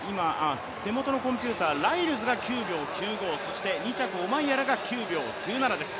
手元のコンピューター、ライルズが９秒９５、そして２着オマンヤラが９秒９７です。